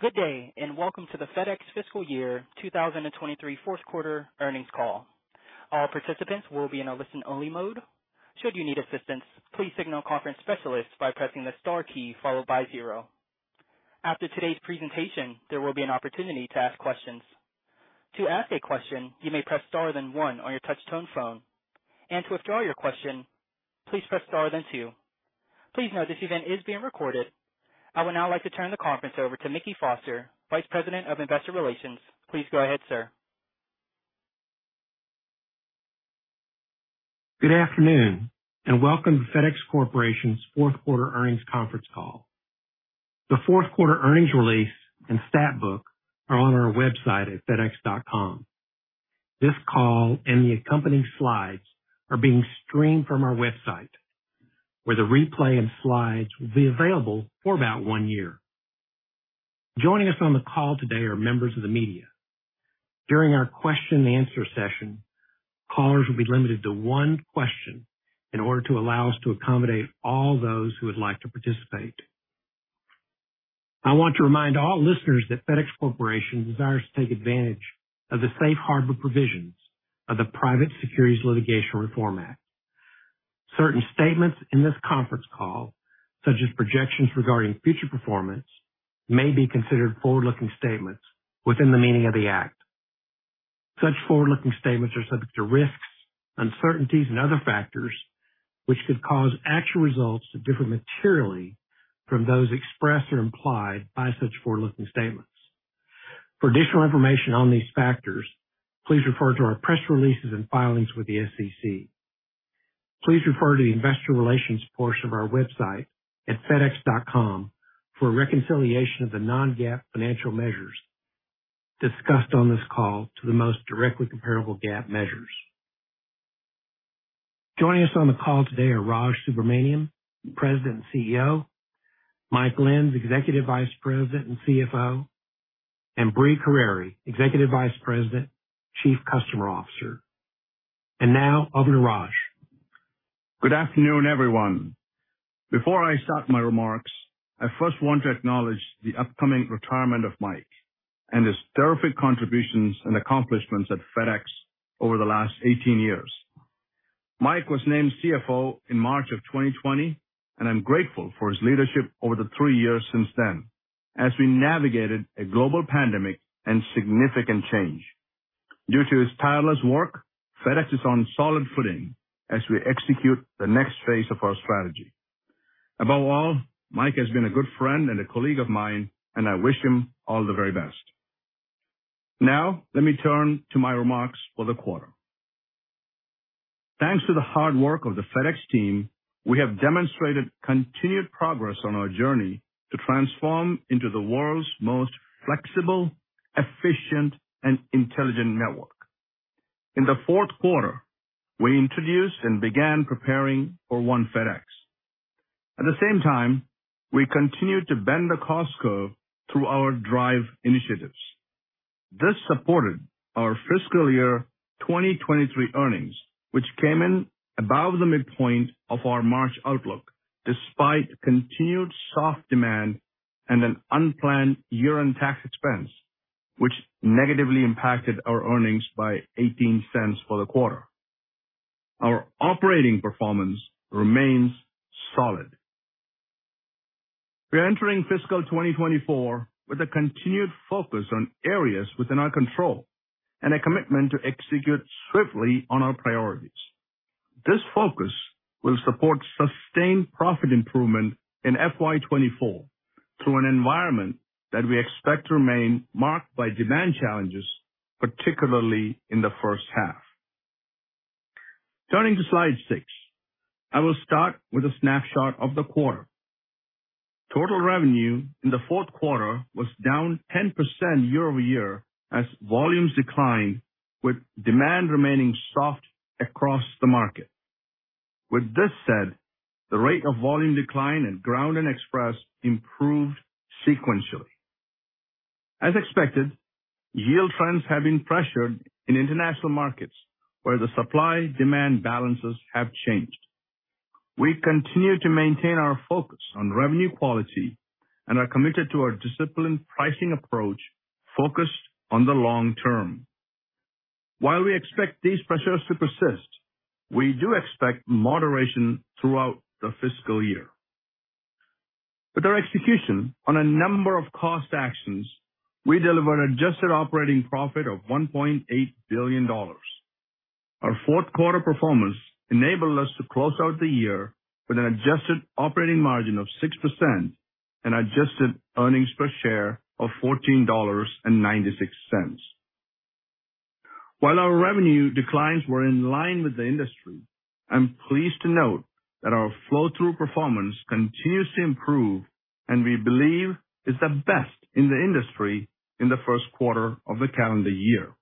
Good day, and welcome to the FedEx Fiscal Year 2023 Fourth Quarter Earnings Call. All participants will be in a listen-only mode. Should you need assistance, please signal a conference specialist by pressing the star key followed by 0. After today's presentation, there will be an opportunity to ask questions. To ask a question, you may press star then one on your touch-tone phone, and to withdraw your question, please press star then two. Please note, this event is being recorded. I would now like to turn the conference over to Mickey Foster, Vice President of Investor Relations. Please go ahead, sir. Good afternoon, welcome to FedEx Corporation's fourth quarter earnings conference call. The fourth-quarter earnings release and stat book are on our website at fedex.com. This call and the accompanying slides are being streamed from our website, where the replay and slides will be available for about one year. Joining us on the call today are members of the media. During our question and answer session, callers will be limited to one question in order to allow us to accommodate all those who would like to participate. I want to remind all listeners that FedEx Corporation desires to take advantage of the safe harbor provisions of the Private Securities Litigation Reform Act. Certain statements in this conference call, such as projections regarding future performance, may be considered forward-looking statements within the meaning of the Act. Such forward-looking statements are subject to risks, uncertainties, and other factors which could cause actual results to differ materially from those expressed or implied by such forward-looking statements. For additional information on these factors, please refer to our press releases and filings with the SEC. Please refer to the investor relations portion of our website at fedex.com for a reconciliation of the non-GAAP financial measures discussed on this call to the most directly comparable GAAP measures. Joining us on the call today are Raj Subramaniam, President and CEO, Mike Lenz, Executive Vice President and CFO, and Brie Carere, Executive Vice President, Chief Customer Officer. Now over to Raj. Good afternoon, everyone. Before I start my remarks, I first want to acknowledge the upcoming retirement of Mike and his terrific contributions and accomplishments at FedEx over the last 18 years. Mike was named CFO in March of 2020, and I'm grateful for his leadership over the three years since then as we navigated a global pandemic and significant change. Due to his tireless work, FedEx is on solid footing as we execute the next phase of our strategy. Above all, Mike has been a good friend and a colleague of mine, and I wish him all the very best. Let me turn to my remarks for the quarter. Thanks to the hard work of the FedEx team, we have demonstrated continued progress on our journey to transform into the world's most flexible, efficient, and intelligent network. In the fourth quarter, we introduced and began preparing for One FedEx. At the same time, we continued to bend the cost curve through our DRIVE initiatives. This supported our FY 2023 earnings, which came in above the midpoint of our March outlook, despite continued soft demand and an unplanned year-end tax expense, which negatively impacted our earnings by $0.18 for the quarter. Our operating performance remains solid. We are entering fiscal 2024 with a continued focus on areas within our control and a commitment to execute swiftly on our priorities. This focus will support sustained profit improvement in FY 2024 through an environment that we expect to remain marked by demand challenges, particularly in the first half. Turning to Slide 6, I will start with a snapshot of the quarter. Total revenue in the fourth quarter was down 10% year-over-year as volumes declined, with demand remaining soft across the market. With this said, the rate of volume decline in Ground and Express improved sequentially. As expected, yield trends have been pressured in international markets, where the supply-demand balances have changed. We continue to maintain our focus on revenue quality and are committed to our disciplined pricing approach focused on the long term. While we expect these pressures to persist, we do expect moderation throughout the fiscal year. With our execution on a number of cost actions, we delivered adjusted operating profit of $1.8 billion. Our fourth quarter performance enabled us to close out the year with an adjusted operating margin of 6% and adjusted earnings per share of $14.96. While our revenue declines were in line with the industry, I'm pleased to note that our flow-through performance continues to improve, and we believe is the best in the industry in the first quarter of the calendar year.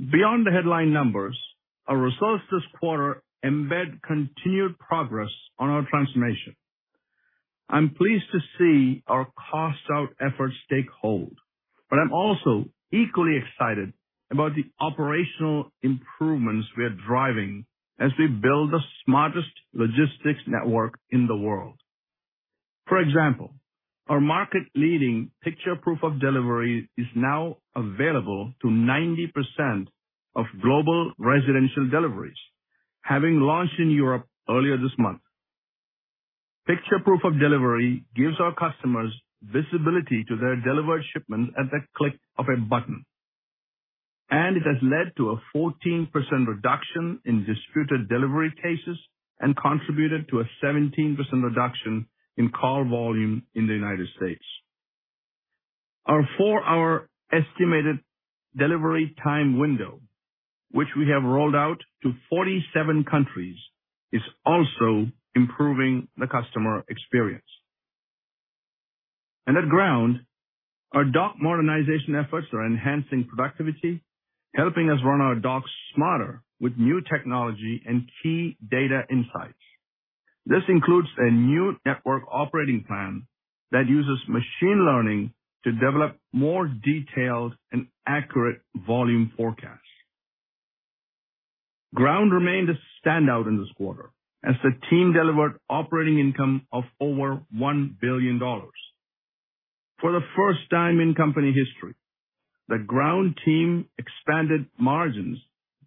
Beyond the headline numbers, our results this quarter embed continued progress on our transformation. I'm pleased to see our cost out efforts take hold. I'm also equally excited about the operational improvements we are driving as we build the smartest logistics network in the world. For example, our market-leading Picture Proof of Delivery is now available to 90% of global residential deliveries, having launched in Europe earlier this month. Picture Proof of Delivery gives our customers visibility to their delivered shipments at the click of a button, and it has led to a 14% reduction in disputed delivery cases and contributed to a 17% reduction in call volume in the United States. Our four-hour estimated delivery time window, which we have rolled out to 47 countries, is also improving the customer experience. At Ground, our dock modernization efforts are enhancing productivity, helping us run our docks smarter with new technology and key data insights. This includes a new network operating plan that uses machine learning to develop more detailed and accurate volume forecasts. Ground remained a standout in this quarter as the team delivered operating income of over $1 billion. For the first time in company history, the Ground team expanded margins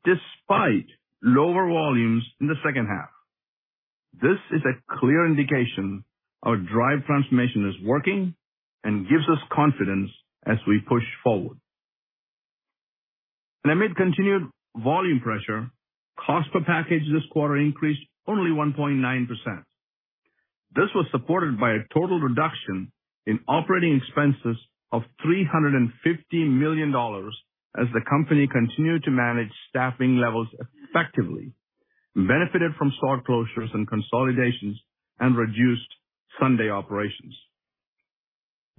despite lower volumes in the second half. This is a clear indication our DRIVE transformation is working and gives us confidence as we push forward. Amid continued volume pressure, cost per package this quarter increased only 1.9%. This was supported by a total reduction in operating expenses of $350 million as the company continued to manage staffing levels effectively, benefited from store closures and consolidations, and reduced Sunday operations.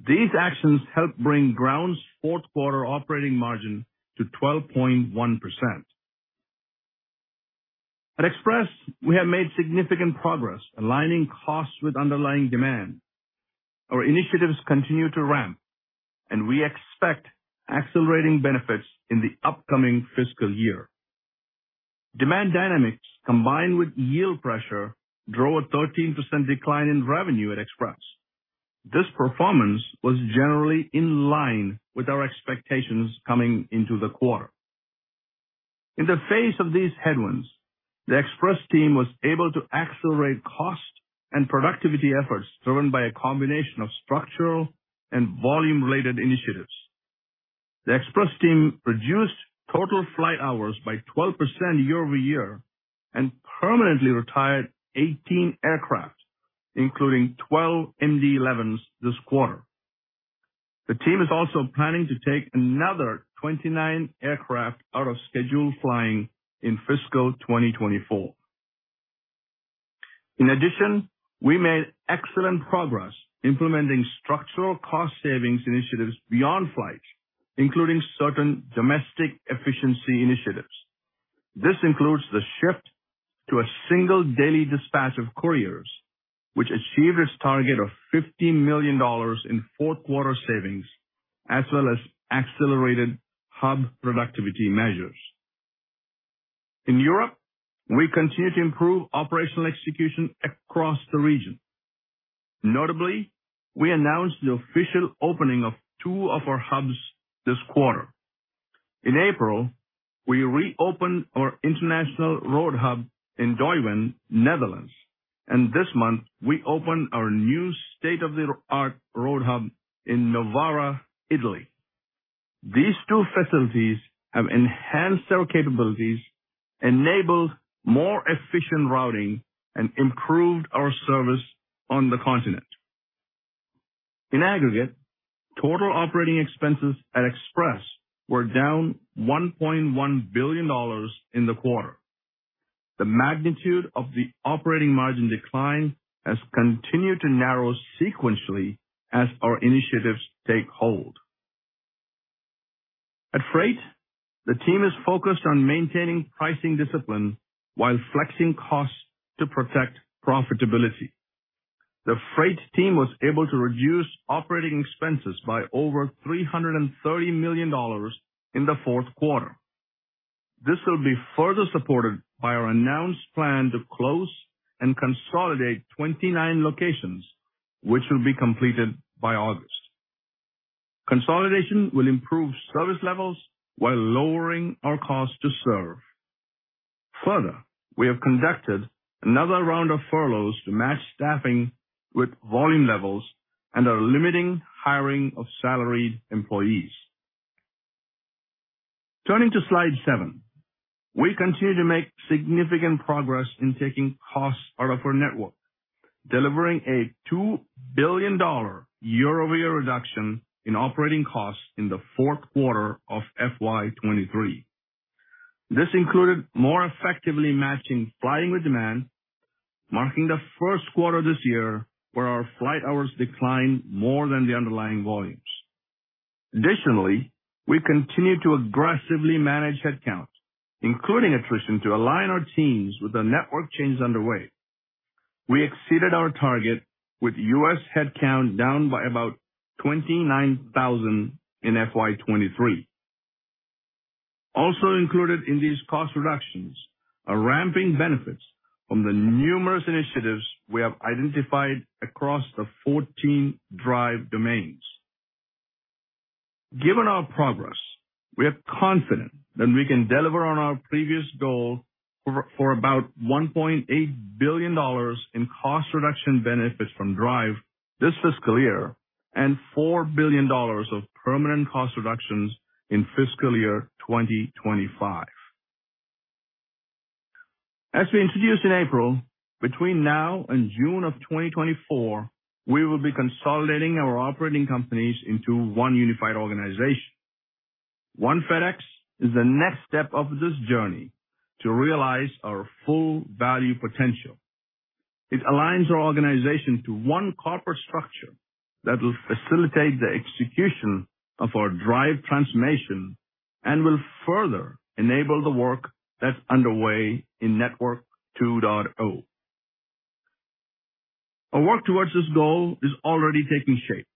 These actions helped bring Ground's fourth quarter operating margin to 12.1%. At Express, we have made significant progress aligning costs with underlying demand. Our initiatives continue to ramp, we expect accelerating benefits in the upcoming fiscal year. Demand dynamics, combined with yield pressure, drove a 13% decline in revenue at Express. This performance was generally in line with our expectations coming into the quarter. In the face of these headwinds, the Express team was able to accelerate cost and productivity efforts, driven by a combination of structural and volume-related initiatives. The Express team reduced total flight hours by 12% year-over-year and permanently retired 18 aircraft, including 12 MD-11s this quarter. The team is also planning to take another 29 aircraft out of schedule flying in fiscal 2024. In addition, we made excellent progress implementing structural cost savings initiatives beyond flights, including certain domestic efficiency initiatives. This includes the shift to a single daily dispatch of couriers, which achieved its target of $50 million in fourth-quarter savings, as well as accelerated hub productivity measures. In Europe, we continue to improve operational execution across the region. Notably, we announced the official opening of two of our hubs this quarter. In April, we reopened our international road hub in Duiven, Netherlands. This month, we opened our new state-of-the-art road hub in Novara, Italy. These two facilities have enhanced our capabilities, enabled more efficient routing, and improved our service on the continent. In aggregate, total operating expenses at Express were down $1.1 billion in the quarter. The magnitude of the operating margin decline has continued to narrow sequentially as our initiatives take hold. At Freight, the team is focused on maintaining pricing discipline while flexing costs to protect profitability. The Freight team was able to reduce operating expenses by over $330 million in the fourth quarter. This will be further supported by our announced plan to close and consolidate 29 locations, which will be completed by August. Consolidation will improve service levels while lowering our cost to serve. Further, we have conducted another round of furloughs to match staffing with volume levels and are limiting hiring of salaried employees. Turning to Slide 7. We continue to make significant progress in taking costs out of our network, delivering a $2 billion year-over-year reduction in operating costs in the fourth quarter of FY 2023. This included more effectively matching flying with demand, marking the first quarter this year where our flight hours declined more than the underlying volumes. Additionally, we continue to aggressively manage headcount, including attrition, to align our teams with the network changes underway. We exceeded our target with U.S. headcount down by about 29,000 in FY 2023. Also included in these cost reductions are ramping benefits from the numerous initiatives we have identified across the 14 DRIVE domains. Given our progress, we are confident that we can deliver on our previous goal for about $1.8 billion in cost reduction benefits from DRIVE this fiscal year and $4 billion of permanent cost reductions in FY 2025. As we introduced in April, between now and June of 2024, we will be consolidating our operating companies into one unified organization. One FedEx is the next step of this journey to realize our full value potential. It aligns our organization to one corporate structure that will facilitate the execution of our DRIVE transformation and will further enable the work that's underway in Network 2.0. Our work towards this goal is already taking shape.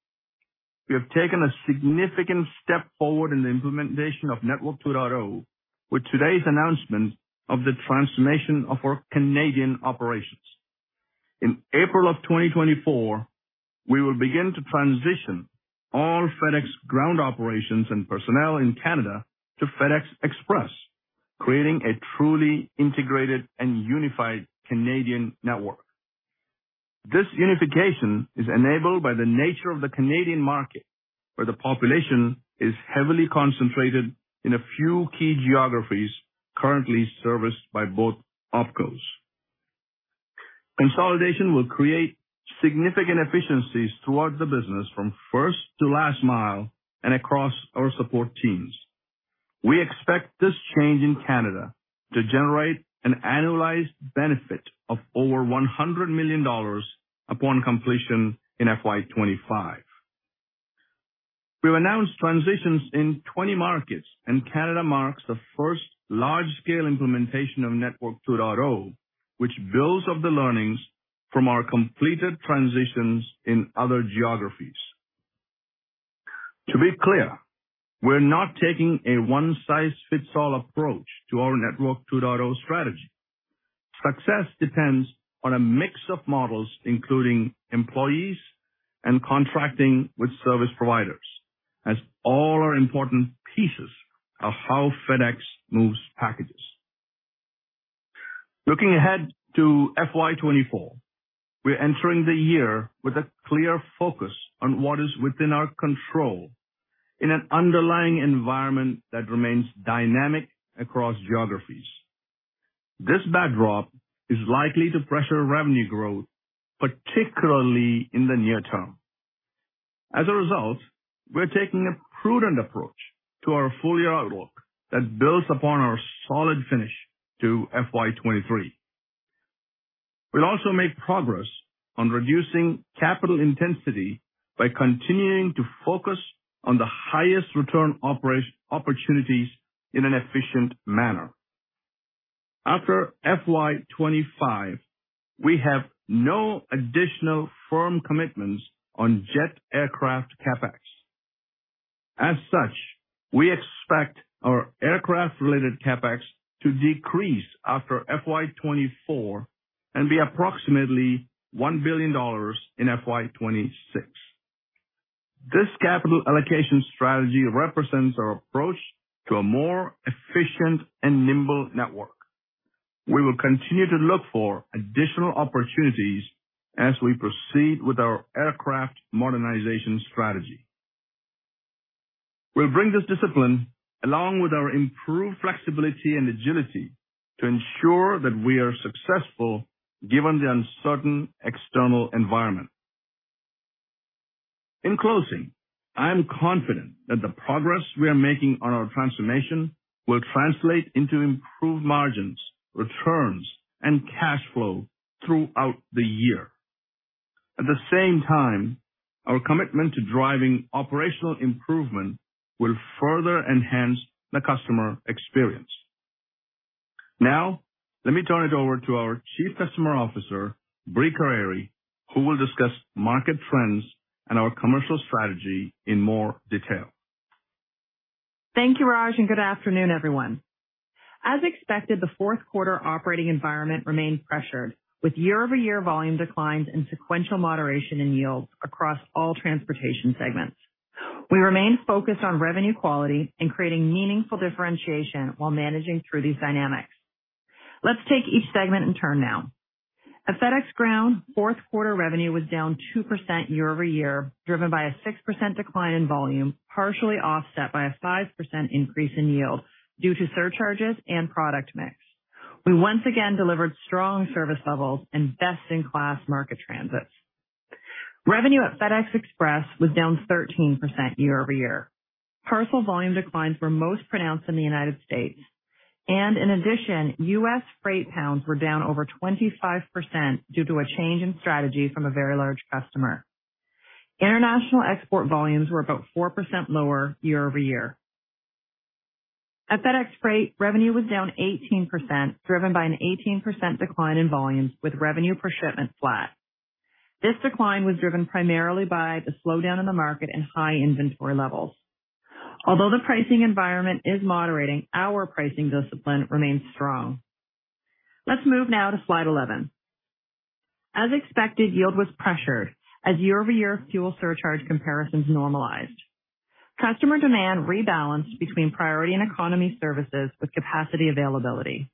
We have taken a significant step forward in the implementation of Network 2.0 with today's announcement of the transformation of our Canadian operations. In April of 2024, we will begin to transition all FedEx Ground operations and personnel in Canada to FedEx Express, creating a truly integrated and unified Canadian network. This unification is enabled by the nature of the Canadian market, where the population is heavily concentrated in a few key geographies currently serviced by both OpCos. Consolidation will create significant efficiencies towards the business from first to last mile and across our support teams. We expect this change in Canada to generate an annualized benefit of over $100 million upon completion in FY 2025. We've announced transitions in 20 markets, and Canada marks the first large-scale implementation of Network 2.0, which builds off the learnings from our completed transitions in other geographies. To be clear, we're not taking a one-size-fits-all approach to our Network 2.0 strategy. Success depends on a mix of models, including employees and contracting with service providers, as all are important pieces of how FedEx moves packages. Looking ahead to FY 2024, we're entering the year with a clear focus on what is within our control in an underlying environment that remains dynamic across geographies. This backdrop is likely to pressure revenue growth, particularly in the near term. As a result, we're taking a prudent approach to our full-year outlook that builds upon our solid finish to FY 2023. We'll also make progress on reducing capital intensity by continuing to focus on the highest return opportunities in an efficient manner. After FY 2025, we have no additional firm commitments on jet aircraft CapEx. As such, we expect our aircraft-related CapEx to decrease after FY 2024 and be approximately $1 billion in FY 2026. This capital allocation strategy represents our approach to a more efficient and nimble network. We will continue to look for additional opportunities as we proceed with our aircraft modernization strategy. We'll bring this discipline, along with our improved flexibility and agility, to ensure that we are successful given the uncertain external environment. In closing, I am confident that the progress we are making on our transformation will translate into improved margins, returns, and cash flow throughout the year. At the same time, our commitment to driving operational improvement will further enhance the customer experience. Now, let me turn it over to our Chief Customer Officer, Brie Carere, who will discuss market trends and our commercial strategy in more detail. Thank you, Raj, and good afternoon, everyone. As expected, the fourth quarter operating environment remained pressured, with year-over-year volume declines and sequential moderation in yields across all transportation segments. We remain focused on revenue quality and creating meaningful differentiation while managing through these dynamics. Let's take each segment in turn now. At FedEx Ground, fourth quarter revenue was down 2% year-over-year, driven by a 6% decline in volume, partially offset by a 5% increase in yield due to surcharges and product mix. We once again delivered strong service levels and best-in-class market transits. Revenue at FedEx Express was down 13% year-over-year. Parcel volume declines were most pronounced in the United States, and in addition, U.S. freight pounds were down over 25% due to a change in strategy from a very large customer. International export volumes were about 4% lower year-over-year. At FedEx Freight, revenue was down 18%, driven by an 18% decline in volumes, with revenue per shipment flat. This decline was driven primarily by the slowdown in the market and high inventory levels. Although the pricing environment is moderating, our pricing discipline remains strong. Let's move now to Slide 11. As expected, yield was pressured as year-over-year fuel surcharge comparisons normalized. Customer demand rebalanced between priority and economy services with capacity availability.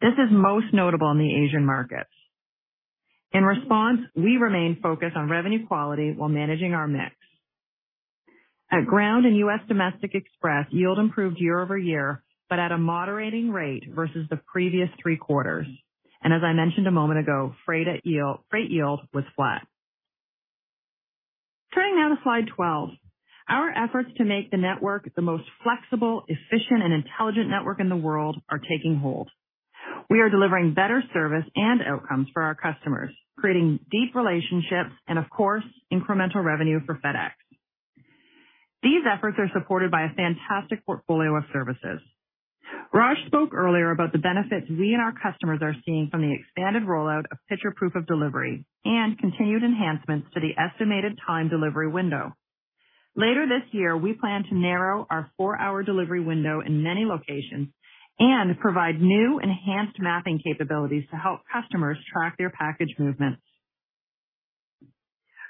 This is most notable in the Asian markets. In response, we remain focused on revenue quality while managing our mix. At Ground and US Domestic Express, yield improved year over year, but at a moderating rate versus the previous three quarters. As I mentioned a moment ago, freight yield was flat. Turning now to Slide 12. Our efforts to make the network the most flexible, efficient, and intelligent network in the world are taking hold. We are delivering better service and outcomes for our customers, creating deep relationships and, of course, incremental revenue for FedEx. These efforts are supported by a fantastic portfolio of services. Raj spoke earlier about the benefits we and our customers are seeing from the expanded rollout of Picture Proof of Delivery and continued enhancements to the estimated time delivery window. Later this year, we plan to narrow our four-hour delivery window in many locations and provide new enhanced mapping capabilities to help customers track their package movements.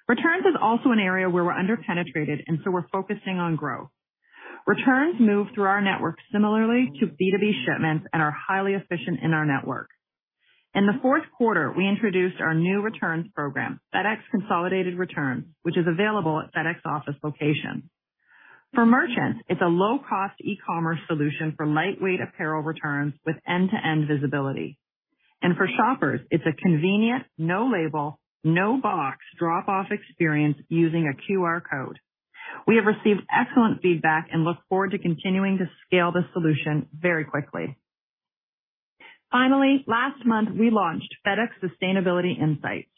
Returns is also an area where we're underpenetrated, and so we're focusing on growth. Returns move through our network similarly to B2B shipments and are highly efficient in our network. In the fourth quarter, we introduced our new returns program, FedEx Consolidated Returns, which is available at FedEx Office locations. For merchants, it's a low-cost e-commerce solution for lightweight apparel returns with end-to-end visibility. For shoppers, it's a convenient, no label, no box drop-off experience using a QR code. We have received excellent feedback and look forward to continuing to scale this solution very quickly. Finally, last month, we launched FedEx Sustainability Insights,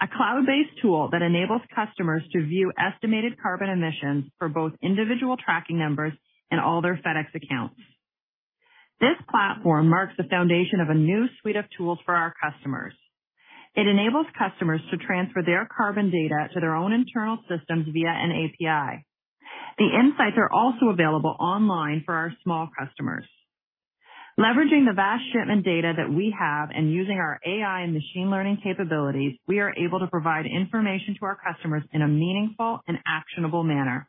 a cloud-based tool that enables customers to view estimated carbon emissions for both individual tracking numbers and all their FedEx accounts. This platform marks the foundation of a new suite of tools for our customers. It enables customers to transfer their carbon data to their own internal systems via an API. The insights are also available online for our small customers. Leveraging the vast shipment data that we have and using our AI and machine learning capabilities, we are able to provide information to our customers in a meaningful and actionable manner.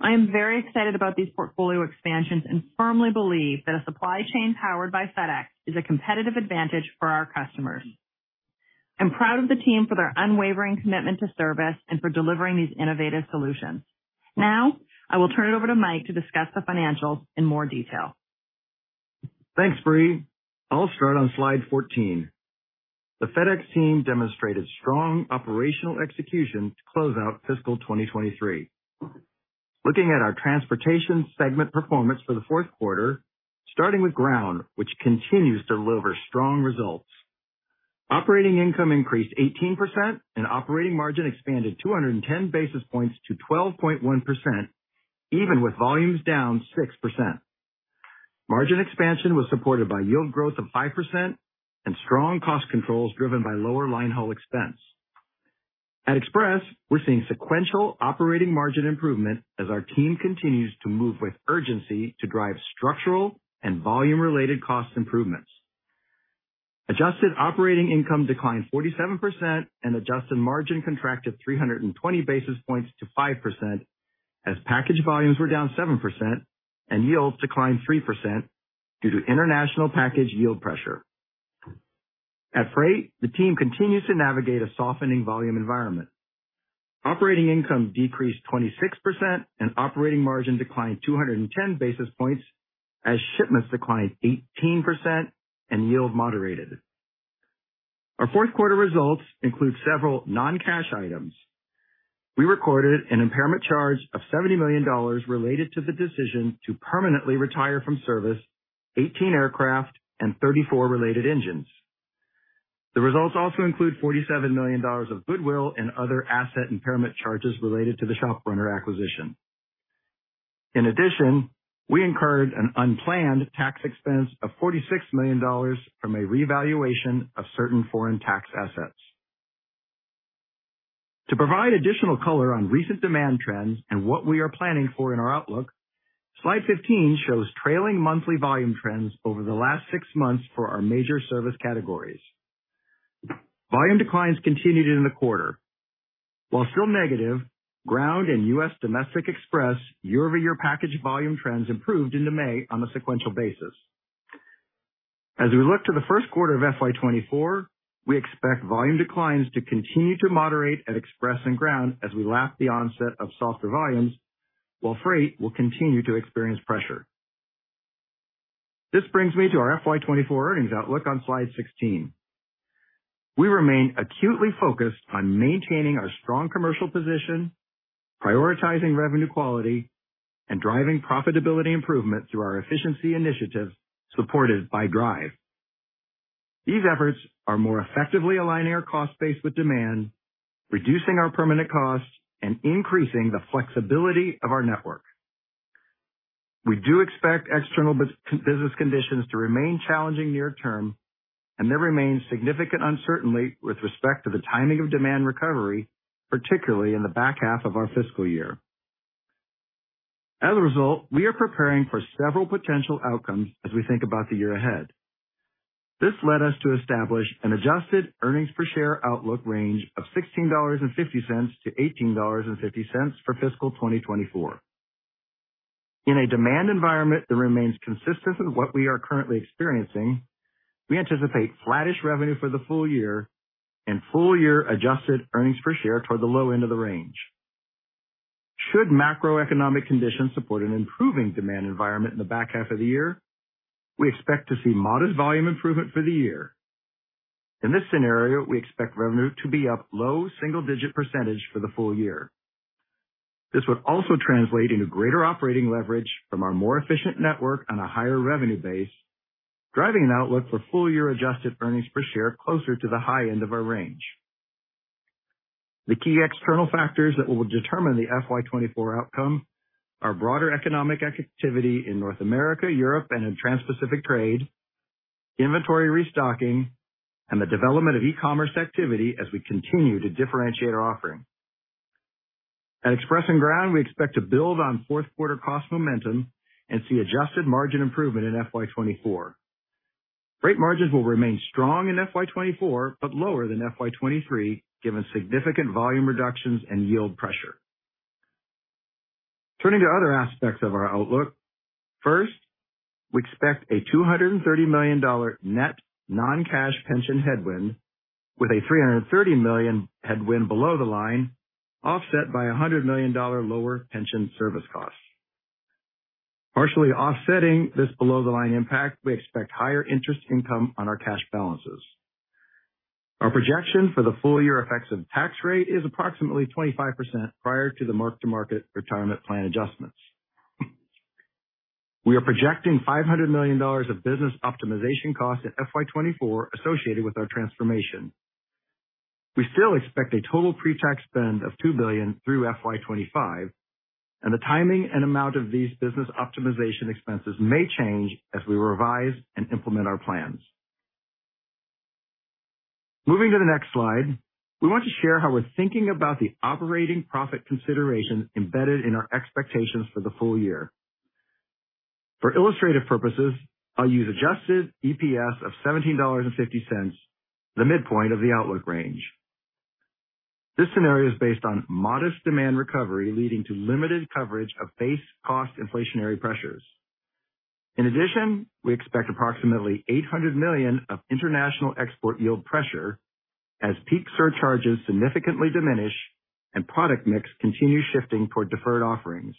I am very excited about these portfolio expansions and firmly believe that a supply chain powered by FedEx is a competitive advantage for our customers. I'm proud of the team for their unwavering commitment to service and for delivering these innovative solutions. I will turn it over to Mike to discuss the financials in more detail. Thanks, Brie. I'll start on Slide 14. The FedEx team demonstrated strong operational execution to close out fiscal 2023. Looking at our transportation segment performance for the fourth quarter, starting with Ground, which continues to deliver strong results. Operating income increased 18% and operating margin expanded 210 basis points to 12.1%, even with volumes down 6%. Margin expansion was supported by yield growth of 5% and strong cost controls, driven by lower line haul expense. At Express, we're seeing sequential operating margin improvement as our team continues to move with urgency to drive structural and volume-related cost improvements. Adjusted operating income declined 47% and adjusted margin contracted 320 basis points to 5%, as package volumes were down 7% and yields declined 3% due to international package yield pressure. At Freight, the team continues to navigate a softening volume environment. Operating income decreased 26% and operating margin declined 210 basis points as shipments declined 18% and yield moderated. Our fourth quarter results include several non-cash items. We recorded an impairment charge of $70 million related to the decision to permanently retire from service 18 aircraft and 34 related engines. The results also include $47 million of goodwill and other asset impairment charges related to the ShopRunner acquisition. In addition, we incurred an unplanned tax expense of $46 million from a revaluation of certain foreign tax assets. To provide additional color on recent demand trends and what we are planning for in our outlook, Slide 15 shows trailing monthly volume trends over the last six months for our major service categories. Volume declines continued in the quarter. While still negative, Ground and US Domestic Express, year-over-year package volume trends improved into May on a sequential basis. As we look to the first quarter of FY 2024, we expect volume declines to continue to moderate at Express and Ground as we lap the onset of softer volumes, while Freight will continue to experience pressure. This brings me to our FY 2024 earnings outlook on Slide 16. We remain acutely focused on maintaining our strong commercial position, prioritizing revenue quality, and driving profitability improvement through our efficiency initiatives supported by DRIVE. These efforts are more effectively aligning our cost base with demand, reducing our permanent costs, and increasing the flexibility of our network. We do expect external business conditions to remain challenging near term, and there remains significant uncertainty with respect to the timing of demand recovery, particularly in the back half of our fiscal year. As a result, we are preparing for several potential outcomes as we think about the year ahead. This led us to establish an adjusted earnings per share outlook range of $16.50 to $18.50 for fiscal 2024. In a demand environment that remains consistent with what we are currently experiencing, we anticipate flattish revenue for the full year and full-year adjusted earnings per share toward the low end of the range. Should macroeconomic conditions support an improving demand environment in the back half of the year, we expect to see modest volume improvement for the year. In this scenario, we expect revenue to be up low single-digit % for the full year. This would also translate into greater operating leverage from our more efficient network on a higher revenue base, driving an outlook for full-year adjusted earnings per share closer to the high end of our range. The key external factors that will determine the FY 2024 outcome are broader economic activity in North America, Europe, and in Trans-Pacific trade, inventory restocking, and the development of e-commerce activity as we continue to differentiate our offering. At Express and Ground, we expect to build on fourth quarter cost momentum and see adjusted margin improvement in FY 2024. Rate margins will remain strong in FY 2024, but lower than FY 2023, given significant volume reductions and yield pressure. Turning to other aspects of our outlook, first, we expect a $230 million net non-cash pension headwind, with a $330 million headwind below the line, offset by a $100 million lower pension service costs. Partially offsetting this below-the-line impact, we expect higher interest income on our cash balances. Our projection for the full-year effective tax rate is approximately 25% prior to the mark-to-market retirement plan adjustments. We are projecting $500 million of business optimization costs in FY 2024 associated with our transformation. We still expect a total pretax spend of $2 billion through FY 2025. The timing and amount of these business optimization expenses may change as we revise and implement our plans. Moving to the next slide, we want to share how we're thinking about the operating profit considerations embedded in our expectations for the full year. For illustrative purposes, I'll use adjusted EPS of $17.50, the midpoint of the outlook range. This scenario is based on modest demand recovery, leading to limited coverage of base cost inflationary pressures. In addition, we expect approximately $800 million of international export yield pressure as peak surcharges significantly diminish and product mix continues shifting toward deferred offerings.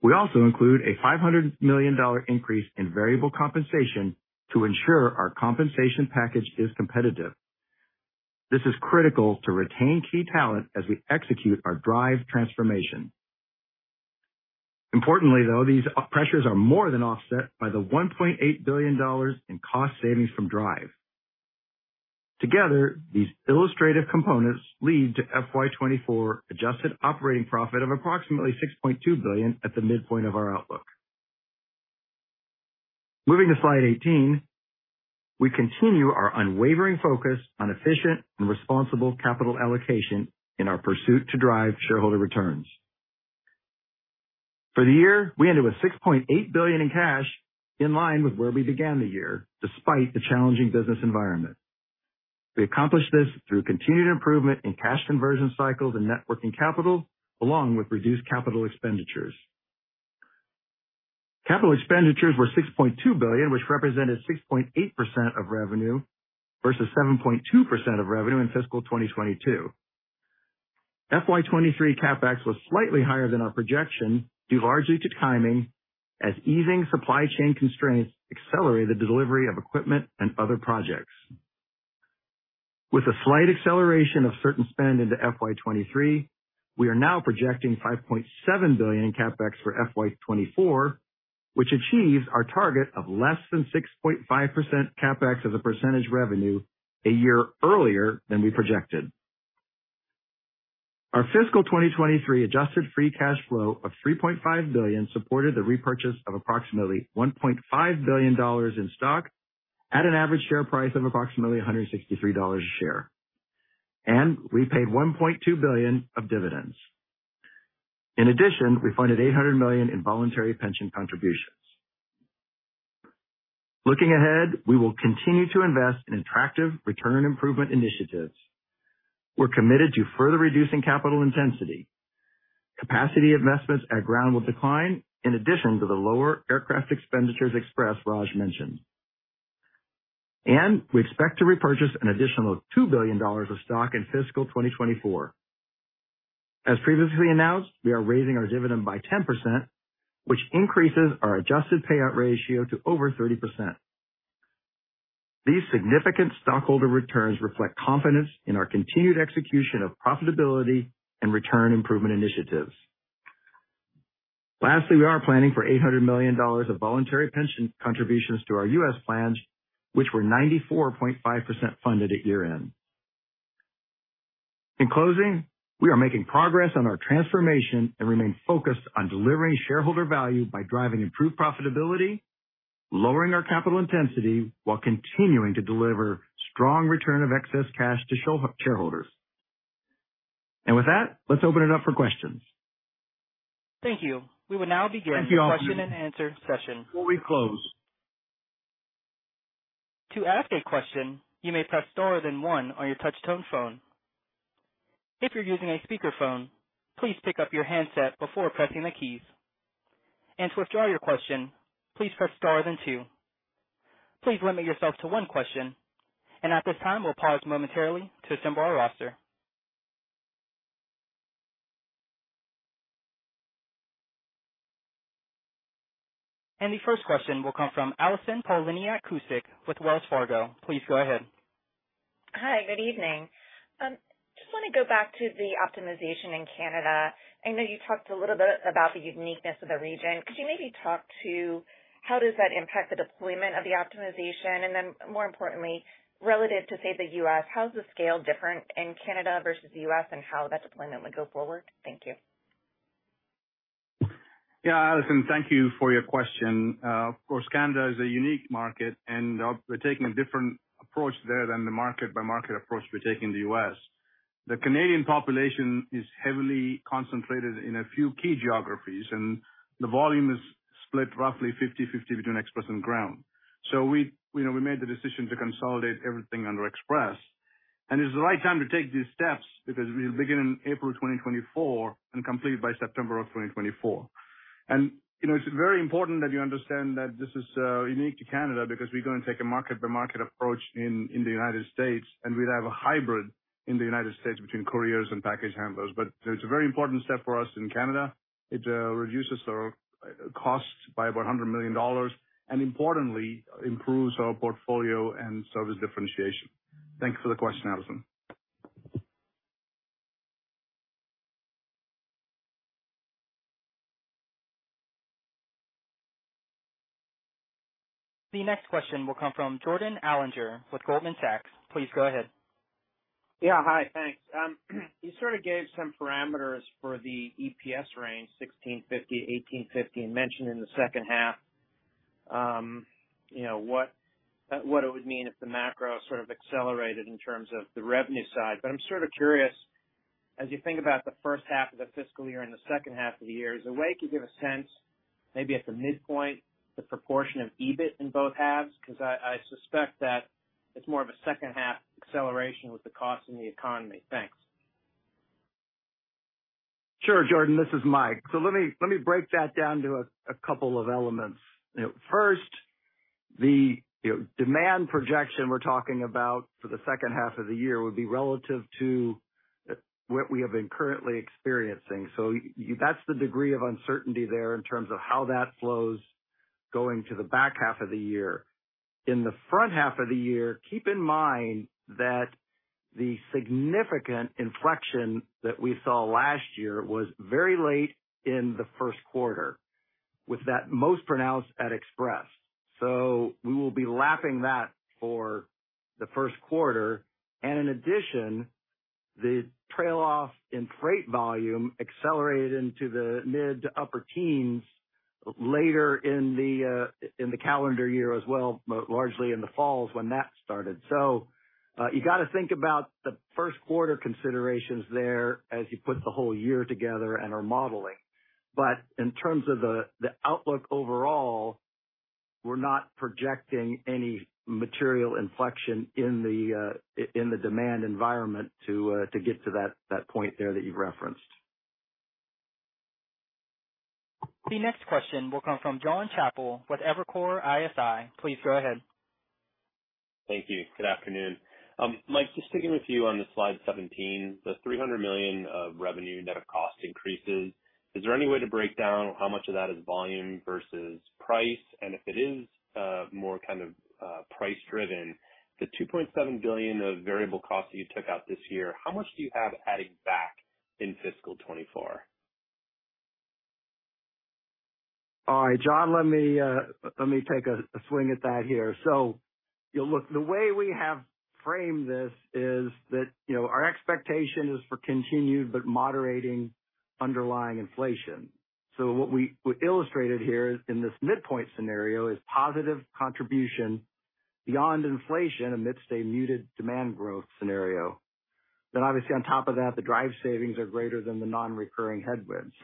We also include a $500 million increase in variable compensation to ensure our compensation package is competitive. This is critical to retain key talent as we execute our DRIVE transformation. Importantly, though, these pressures are more than offset by the $1.8 billion in cost savings from DRIVE. Together, these illustrative components lead to FY 2024 adjusted operating profit of approximately $6.2 billion at the midpoint of our outlook. Moving to Slide 18, we continue our unwavering focus on efficient and responsible capital allocation in our pursuit to drive shareholder returns. For the year, we ended with $6.8 billion in cash, in line with where we began the year, despite the challenging business environment. We accomplished this through continued improvement in cash conversion cycles and networking capital, along with reduced capital expenditures. Capital expenditures were $6.2 billion, which represented 6.8% of revenue, versus 7.2% of revenue in fiscal 2022. FY 2023 CapEx was slightly higher than our projection, due largely to timing, as easing supply chain constraints accelerated the delivery of equipment and other projects. With a slight acceleration of certain spend into FY 2023, we are now projecting $5.7 billion in CapEx for FY 2024, which achieves our target of less than 6.5% CapEx as a percentage revenue a year earlier than we projected. Our fiscal 2023 adjusted free cash flow of $3.5 billion supported the repurchase of approximately $1.5 billion in stock at an average share price of approximately $163 a share. We paid $1.2 billion of dividends. In addition, we funded $800 million in voluntary pension contributions. Looking ahead, we will continue to invest in attractive return improvement initiatives. We're committed to further reducing capital intensity. Capacity investments at Ground will decline, in addition to the lower aircraft expenditures Express Raj mentioned. We expect to repurchase an additional $2 billion of stock in fiscal 2024. As previously announced, we are raising our dividend by 10%, which increases our adjusted payout ratio to over 30%. These significant stockholder returns reflect confidence in our continued execution of profitability and return improvement initiatives. Lastly, we are planning for $800 million of voluntary pension contributions to our U.S. plans, which were 94.5% funded at year-end. In closing, we are making progress on our transformation and remain focused on delivering shareholder value by driving improved profitability, lowering our capital intensity, while continuing to deliver strong return of excess cash to shareholders. With that, let's open it up for questions. Thank you. We will now begin the question and answer session. Before we close. To ask a question, you may press star then one on your touch tone phone. If you're using a speakerphone, please pick up your handset before pressing the keys. To withdraw your question, please press star then two. Please limit yourself to one question, and at this time, we'll pause momentarily to assemble our roster. The first question will come from Allison Poliniak-Cusic with Wells Fargo. Please go ahead. Hi, good evening. Just want to go back to the optimization in Canada. I know you talked a little bit about the uniqueness of the region. Could you maybe talk to how does that impact the deployment of the optimization, and then more importantly, relative to, say, the U.S., how is the scale different in Canada versus the U.S. and how that deployment would go forward? Thank you. Allison, thank you for your question. Of course, Canada is a unique market and we're taking a different approach there than the market by market approach we're taking in the U.S. The Canadian population is heavily concentrated in a few key geographies, and the volume is split roughly 50/50 between Express and Ground. We, you know, we made the decision to consolidate everything under Express, and it's the right time to take these steps because we'll begin in April 2024 and complete by September 2024. You know, it's very important that you understand that this is unique to Canada because we're going to take a market-by-market approach in the United States, and we'll have a hybrid in the United States between couriers and package handlers. It's a very important step for us in Canada. It reduces our costs by about $100 million and importantly, improves our portfolio and service differentiation. Thanks for the question, Allison. The next question will come from Jordan Alliger with Goldman Sachs. Please go ahead. Yeah. Hi, thanks. You sort of gave some parameters for the EPS range, $16.50-$18.50, and mentioned in the second half, you know, what it would mean if the macro sort of accelerated in terms of the revenue side. I'm sort of curious, as you think about the first half of the fiscal year and the second half of the year, is there a way to give a sense, maybe at the midpoint, the proportion of EBIT in both halves? Because I suspect that it's more of a second half acceleration with the cost in the economy. Thanks. Sure, Jordan, this is Mike. Let me break that down to a couple of elements. You know, first, you know, demand projection we're talking about for the second half of the year would be relative to what we have been currently experiencing. That's the degree of uncertainty there in terms of how that flows going to the back half of the year. In the front half of the year, keep in mind that the significant inflection that we saw last year was very late in the first quarter, with that most pronounced at Express. We will be lapping that for the first quarter. In addition, the trail off in freight volume accelerated into the mid to upper teens later in the calendar year as well, largely in the fall when that started. You got to think about the first quarter considerations there as you put the whole year together and are modeling. In terms of the outlook, overall, we're not projecting any material inflection in the demand environment to get to that point there that you've referenced. The next question will come from Jon Chappell with Evercore ISI. Please go ahead. Thank you. Good afternoon. Mike, just sticking with you on the Slide 17, the $300 million of revenue net of cost increases. Is there any way to break down how much of that is volume versus price? If it is, more kind of, price driven, the $2.7 billion of variable costs that you took out this year, how much do you have adding back in fiscal 2024? All right, Jon, let me take a swing at that here. You'll look, the way we have framed this is that, you know, our expectation is for continued but moderating underlying inflation. What we illustrated here in this midpoint scenario is positive contribution beyond inflation amidst a muted demand growth scenario. Obviously on top of that, the DRIVE savings are greater than the non-recurring headwinds.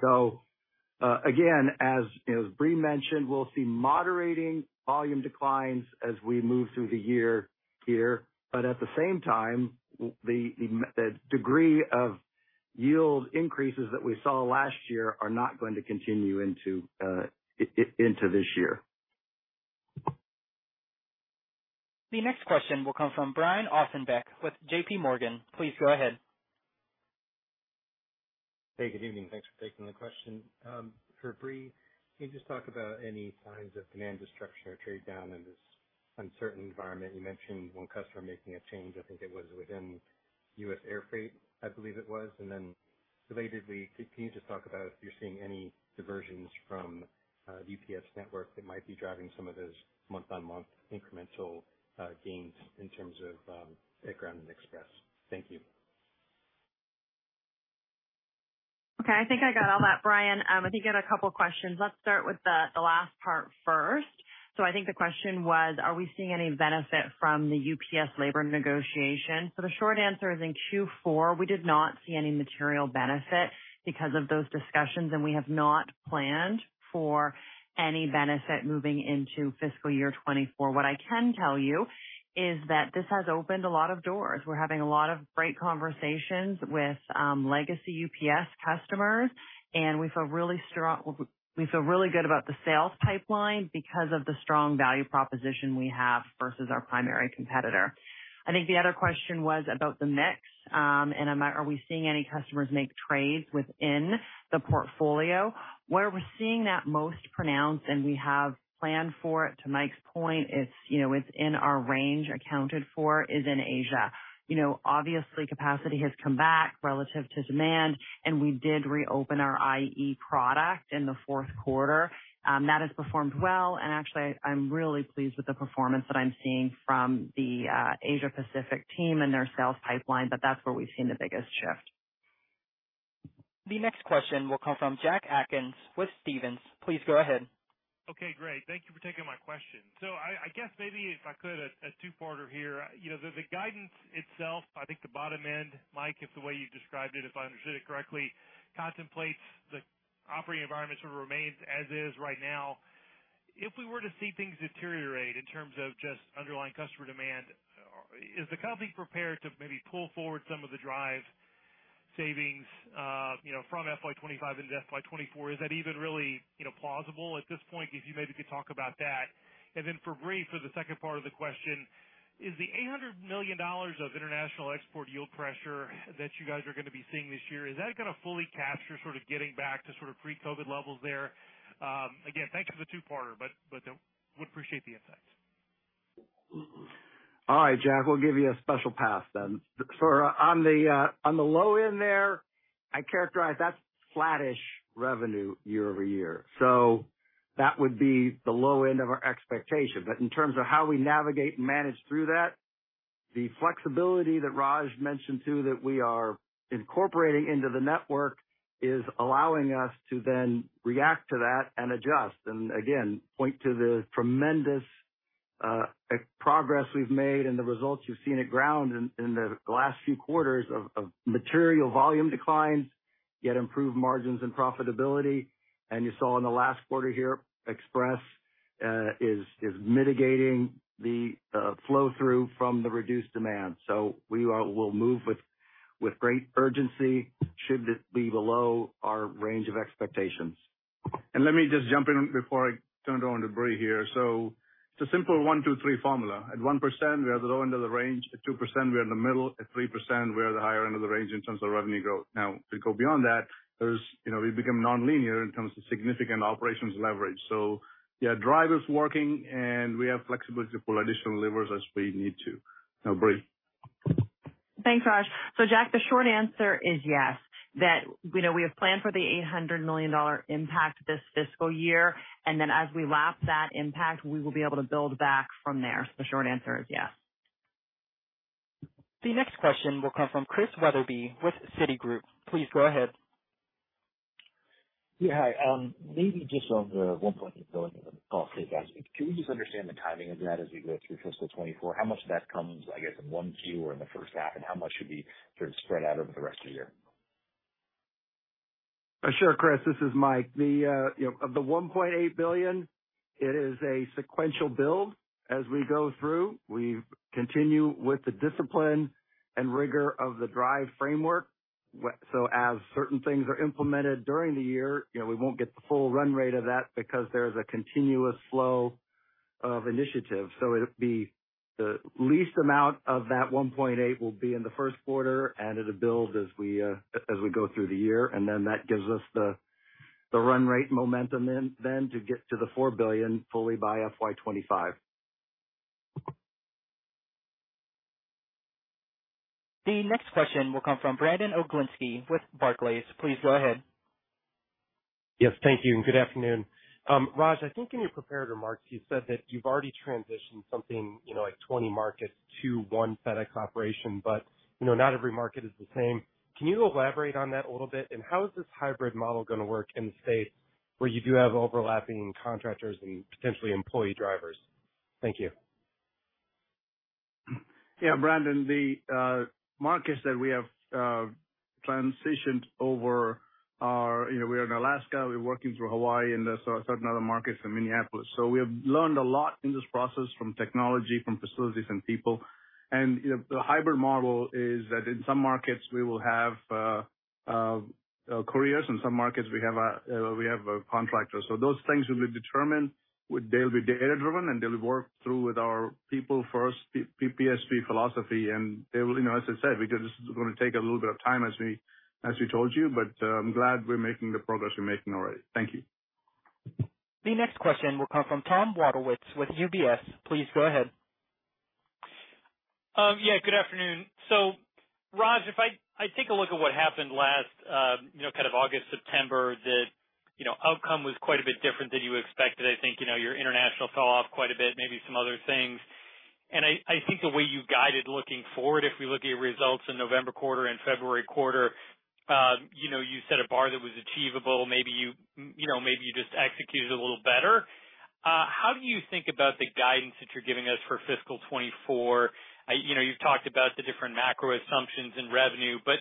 Again, as, you know, as Brie mentioned, we'll see moderating volume declines as we move through the year here, but at the same time, the degree of yield increases that we saw last year are not going to continue into this year. The next question will come from Brian Ossenbeck with JPMorgan. Please go ahead. Hey, good evening. Thanks for taking the question. For Brie, can you just talk about any signs of demand destruction or trade down on this uncertain environment. You mentioned one customer making a change. I think it was within U.S. Air Freight, I believe it was. Relatedly, can you just talk about if you're seeing any diversions from the UPS network that might be driving some of those month-on-month incremental gains in terms of at Ground and Express? Thank you. I think I got all that, Brian. I think you had a couple questions. Let's start with the last part first. I think the question was, are we seeing any benefit from the UPS labor negotiation? The short answer is, in Q4, we did not see any material benefit because of those discussions, and we have not planned for any benefit moving into FY 2024. What I can tell you is that this has opened a lot of doors. We're having a lot of great conversations with legacy UPS customers, and we feel really good about the sales pipeline because of the strong value proposition we have versus our primary competitor. I think the other question was about the mix. And are we seeing any customers make trades within the portfolio? Where we're seeing that most pronounced, and we have planned for it, to Mike's point, it's, you know, it's in our range, accounted for, is in Asia. You know, obviously, capacity has come back relative to demand, and we did reopen our IE product in the fourth quarter. That has performed well. And actually, I'm really pleased with the performance that I'm seeing from the Asia Pacific team and their sales pipeline, but that's where we've seen the biggest shift. The next question will come from Jack Atkins with Stephens. Please go ahead. Okay, great. Thank you for taking my question. I guess maybe if I could, a two-parter here. You know, the guidance itself, I think the bottom end, Mike, if the way you described it, if I understood it correctly, contemplates the operating environment sort of remains as is right now. If we were to see things deteriorate in terms of just underlying customer demand, is the company prepared to maybe pull forward some of the DRIVE savings, you know, from FY 2025 into FY 2024? Is that even really, you know, plausible at this point? If you maybe could talk about that. For Brie, for the second part of the question, is the $800 million of international export yield pressure that you guys are going to be seeing this year, is that going to fully capture sort of getting back to sort of pre-COVID levels there? Again, thank you for the two-parter, but would appreciate the insights. All right, Jack, we'll give you a special pass then. For on the on the low end there, I characterize that's flattish revenue year-over-year. That would be the low end of our expectation. In terms of how we navigate and manage through that, the flexibility that Raj mentioned, too, that we are incorporating into the network is allowing us to then react to that and adjust. Again, point to the tremendous progress we've made and the results you've seen at Ground in the last few quarters of material volume declines, yet improved margins and profitability. You saw in the last quarter here, Express, is mitigating the flow-through from the reduced demand. We'll move with great urgency, should it be below our range of expectations. Let me just jump in before I turn it over to Brie here. It's a simple one, two, three formula. At 1%, we are the low end of the range. At 2%, we're in the middle. At 3%, we're the higher end of the range in terms of revenue growth. To go beyond that, there's, you know, we become nonlinear in terms of significant operations leverage. Yeah, drivers working, and we have flexibility to pull additional levers as we need to. Brie. Thanks, Raj. Jack, the short answer is yes, that we know we have planned for the $800 million impact this fiscal year, and then as we lap that impact, we will be able to build back from there. The short answer is yes. The next question will come from Chris Wetherbee with Citigroup. Please go ahead. Hi. Maybe just on the 1 point you go into the call, guys, can we just understand the timing of that as we go through fiscal 2024? How much of that comes, I guess, in 1Q or in the first half, and how much should be sort of spread out over the rest of the year? Sure, Chris, this is Mike. The, you know, the $1.8 billion, it is a sequential build as we go through. We continue with the discipline and rigor of the DRIVE framework. As certain things are implemented during the year, you know, we won't get the full run rate of that because there is a continuous flow of initiatives. It'll be the least amount of that $1.8 will be in the first quarter, and it'll build as we go through the year, and then that gives us the run rate momentum then to get to the $4 billion fully by FY 2025. The next question will come from Brandon Oglenski with Barclays. Please go ahead. Yes, thank you, and good afternoon. Raj, I think in your prepared remarks, you said that you've already transitioned something, you know, like 20 markets to One FedEx operation, but, you know, not every market is the same. Can you elaborate on that a little bit? How is this hybrid model gonna work in the states where you do have overlapping contractors and potentially employee drivers? Thank you. Yeah, Brandon, the markets that we have transitioned over are, you know, we're in Alaska, we're working through Hawaii and there are certain other markets in Minneapolis. We have learned a lot in this process from technology, from facilities and people. You know, the hybrid model is that in some markets we will have couriers, in some markets we have a contractor. Those things will be determined, they'll be data-driven, and they'll work through with our people first, PPSP philosophy. They will, you know, as I said, because this is gonna take a little bit of time, as we told you, I'm glad we're making the progress we're making already. Thank you. The next question will come from Tom Wadewitz with UBS. Please go ahead. Yeah, good afternoon. Raj, if I take a look at what happened last, you know, kind of August, September, the, you know, outcome was quite a bit different than you expected. I think, you know, your international fell off quite a bit, maybe some other things. I think the way you guided looking forward, if we look at your results in November quarter and February quarter, you know, you set a bar that was achievable. Maybe you know, maybe you just executed a little better. How do you think about the guidance that you're giving us for fiscal 2024? You know, you've talked about the different macro assumptions in revenue, but,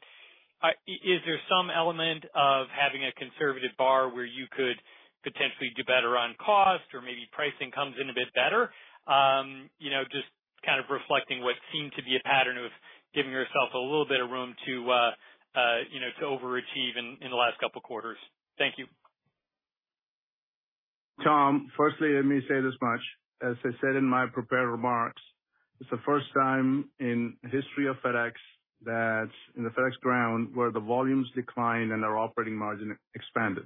is there some element of having a conservative bar, where you could potentially do better on cost or maybe pricing comes in a bit better? You know, just kind of reflecting what seemed to be a pattern of giving yourself a little bit of room to, you know, to overachieve in the last couple quarters. Thank you. Tom, firstly, let me say this much. As I said in my prepared remarks, it's the first time in the history of FedEx that in the FedEx Ground, where the volumes declined and our operating margin expanded.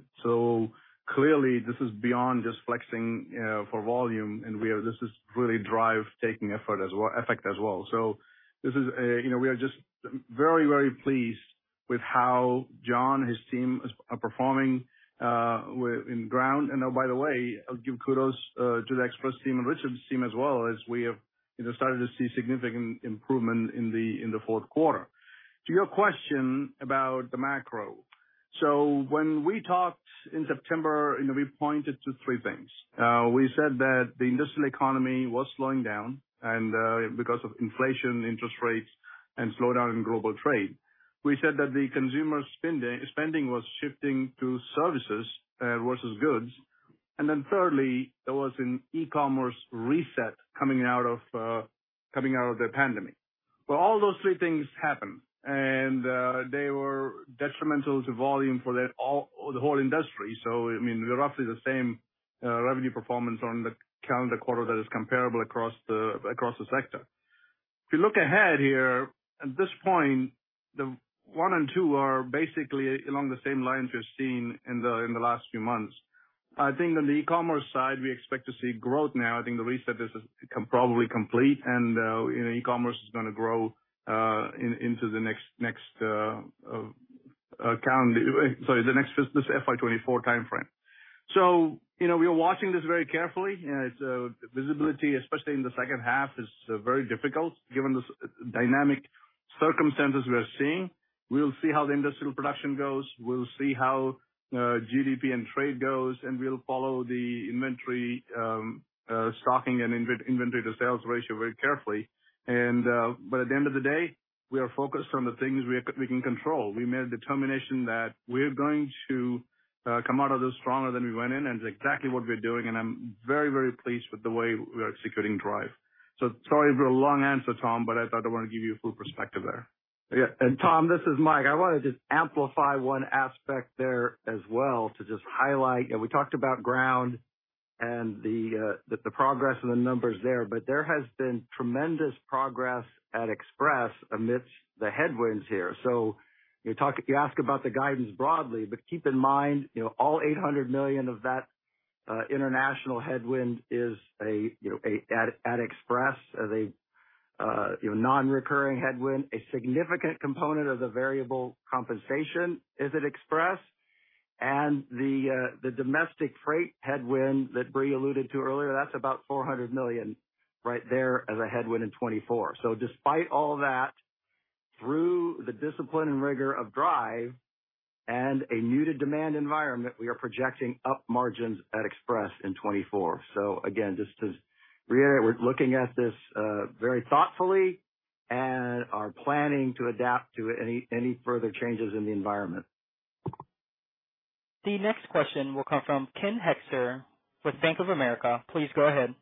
Clearly this is beyond just flexing for volume, and this is really DRIVE taking effect as well. This is, you know, we are just very, very pleased with how John and his team is, are performing in Ground. Now, by the way, I'll give kudos to the Express team and Richard's team as well, as we have, you know, started to see significant improvement in the fourth quarter. To your question about the macro. When we talked in September, you know, we pointed to three things. We said that the industrial economy was slowing down and because of inflation, interest rates, and slowdown in global trade. We said that the consumer spending was shifting to services versus goods. Thirdly, there was an e-commerce reset coming out of the pandemic. All those three things happened, and they were detrimental to volume for the whole industry. I mean, we're roughly the same revenue performance on the calendar quarter that is comparable across the sector. If you look ahead here, at this point, the one and two are basically along the same lines we've seen in the last few months. I think on the e-commerce side, we expect to see growth now. I think the reset is probably complete and, you know, e-commerce is gonna grow in, into the next calendar, sorry, the next fiscal FY 2024 timeframe. You know, we are watching this very carefully. It's visibility, especially in the second half, is very difficult given this dynamic circumstances we are seeing. We'll see how the industrial production goes. We'll see how GDP and trade goes, we'll follow the inventory stocking and in-inventory to sales ratio very carefully. At the end of the day, we are focused on the things we can control. We made a determination that we're going to come out of this stronger than we went in, and it's exactly what we're doing, and I'm very pleased with the way we are executing DRIVE. sorry for a long answer, Tom, but I thought I want to give you a full perspective there. Yeah, Tom, this is Mike. I wanna just amplify one aspect there as well to just highlight. We talked about Ground and the progress and the numbers there, but there has been tremendous progress at Express amidst the headwinds here. You ask about the guidance broadly, but keep in mind, you know, all $800 million of that international headwind is, you know, at Express as a, you know, non-recurring headwind. A significant component of the variable compensation is at Express and the domestic freight headwind that Brie alluded to earlier, that's about $400 million right there as a headwind in 2024. Despite all that, through the discipline and rigor of DRIVE and a muted demand environment, we are projecting up margins at Express in 2024. Again, just to reiterate, we're looking at this very thoughtfully and are planning to adapt to any further changes in the environment. The next question will come from Ken Hoexter with Bank of America. Please go ahead.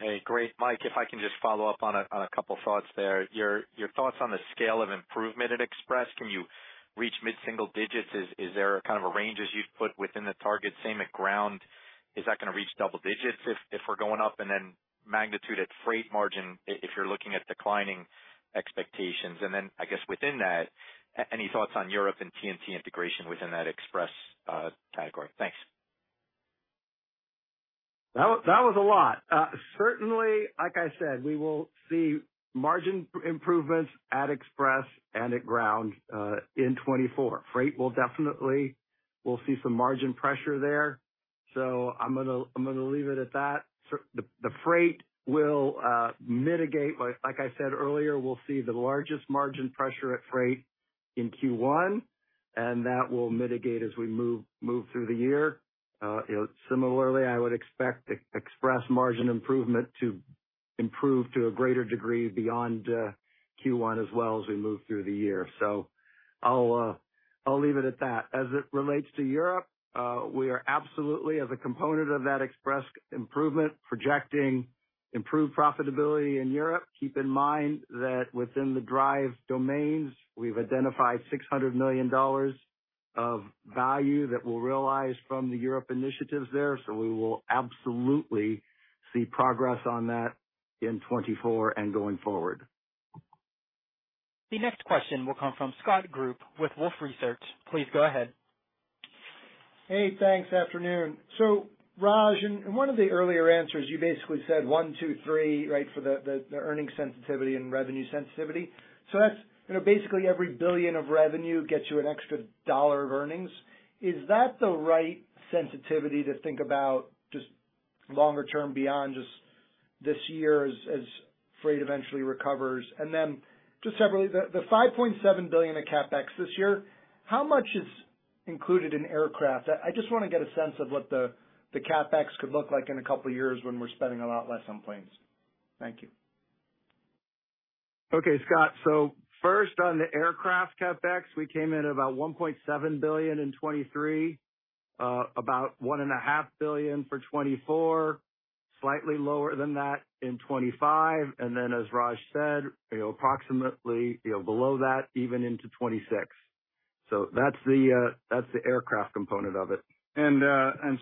Hey, great. Mike, if I can just follow up on a couple thoughts there. Your thoughts on the scale of improvement at Express, can you reach mid-single digits? Is there a kind of a range as you'd put within the target? Same at Ground. Is that gonna reach double digits if we're going up, then magnitude at Freight margin, if you're looking at declining expectations? Then I guess within that, any thoughts on Europe and TNT integration within that Express category? Thanks. That was a lot. Certainly, like I said, we will see margin improvements at FedEx Express and at FedEx Ground in 2024. We'll see some margin pressure there, so I'm gonna leave it at that. Like I said earlier, we'll see the largest margin pressure at FedEx Freight in Q1, and that will mitigate as we move through the year. You know, similarly, I would expect FedEx Express margin improvement to improve to a greater degree beyond Q1 as well as we move through the year. I'll leave it at that. As it relates to Europe, we are absolutely, as a component of that FedEx Express improvement, projecting improved profitability in Europe. Keep in mind that within the DRIVE domains, we've identified $600 million of value that we'll realize from the Europe initiatives there, so we will absolutely see progress on that in 2024 and going forward. The next question will come from Scott Group with Wolfe Research. Please go ahead. Hey, thanks. Afternoon. Raj, in one of the earlier answers, you basically said one, two, three, right, for the earnings sensitivity and revenue sensitivity. That's, you know, basically every $1 billion of revenue gets you an extra $1 of earnings. Is that the right sensitivity to think about just longer term beyond just this year as freight eventually recovers? Then just separately, the $5.7 billion of CapEx this year, how much is included in aircraft? I just wanna get a sense of what the CapEx could look like in a couple of years when we're spending a lot less on planes. Thank you. Okay, Scott. First on the aircraft CapEx, we came in about $1.7 billion in 2023, about one and a half billion for 2024, slightly lower than that in 2025. As Raj said, approximately below that, even into 2026. That's the aircraft component of it.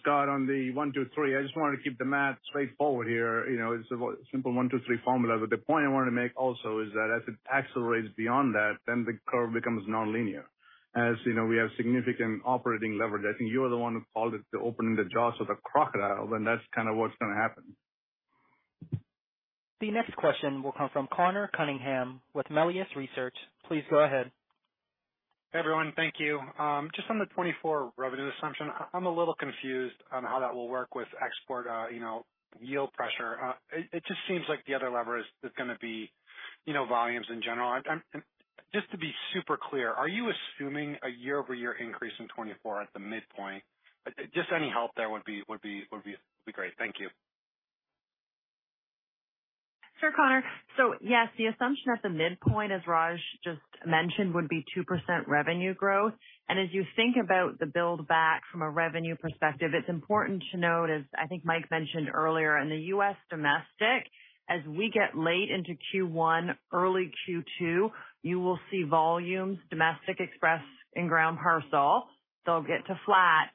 Scott, on the one, two, three, I just wanted to keep the math straightforward here. You know, it's a simple one, two, three formula. The point I wanted to make also is that as it accelerates beyond that, then the curve becomes nonlinear. As you know, we have significant operating leverage. I think you're the one who called it the opening the jaws of a crocodile, and that's kind of what's gonna happen. The next question will come from Conor Cunningham with Melius Research. Please go ahead. Hey, everyone. Thank you. Just on the 2024 revenue assumption, I'm a little confused on how that will work with export, you know, yield pressure. It just seems like the other lever is gonna be, you know, volumes in general. I'm. Just to be super clear, are you assuming a year-over-year increase in 2024 at the midpoint? Just any help there would be great. Thank you. Sure, Conor. Yes, the assumption at the midpoint, as Raj just mentioned, would be 2% revenue growth. As you think about the buildback from a revenue perspective, it's important to note, as I think Mike mentioned earlier, in the U.S. domestic, as we get late into Q1, early Q2, you will see volumes, Domestic Express and Ground parcel. They'll get to flat,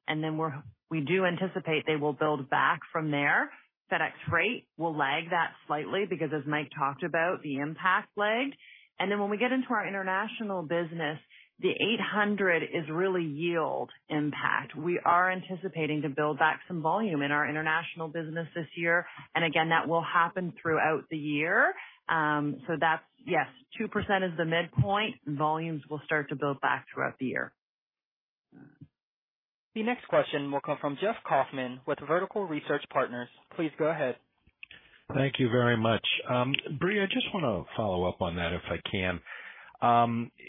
we do anticipate they will build back from there. FedEx Freight will lag that slightly because, as Mike talked about, the impact lagged. When we get into our international business, the 800 is really yield impact. We are anticipating to build back some volume in our international business this year, that will happen throughout the year. Yes, 2% is the midpoint. Volumes will start to build back throughout the year. The next question will come from Jeff Kauffman with Vertical Research Partners. Please go ahead. Thank you very much. Brie, I just want to follow up on that, if I can.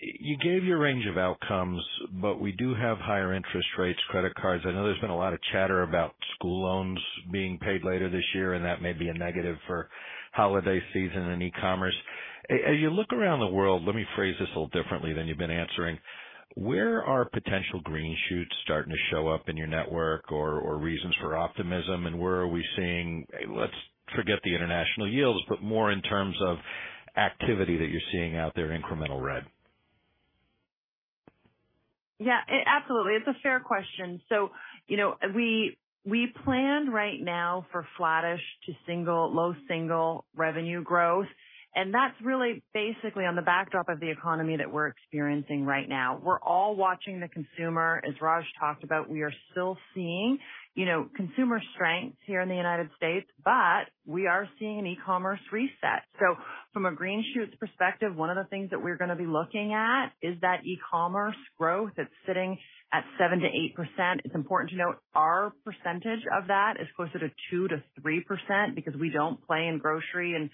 You gave your range of outcomes, we do have higher interest rates, credit cards. I know there's been a lot of chatter about school loans being paid later this year, that may be a negative for holiday season and e-commerce. As you look around the world, let me phrase this a little differently than you've been answering: Where are potential green shoots starting to show up in your network or reasons for optimism, and where are we seeing? Let's forget the international yields, but more in terms of activity that you're seeing out there, incremental red? Yeah, absolutely. It's a fair question. You know, we plan right now for flattish to single, low single revenue growth, and that's really basically on the backdrop of the economy that we're experiencing right now. We're all watching the consumer. As Raj talked about, we are still seeing, you know, consumer strength here in the United States, but we are seeing an e-commerce reset. From a green shoots perspective, one of the things that we're gonna be looking at is that e-commerce growth that's sitting at 7%-8%. It's important to note our percentage of that is closer to 2%-3%, because we don't play in grocery, and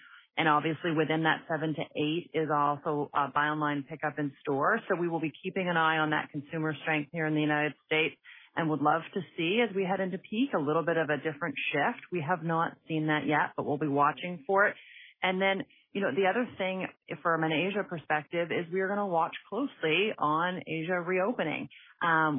obviously within that 7%-8% is also buy online, pickup in store. We will be keeping an eye on that consumer strength here in the United States and would love to see, as we head into peak, a little bit of a different shift. We have not seen that yet, but we'll be watching for it. Then, you know, the other thing from an Asia perspective is we are gonna watch closely on Asia reopening.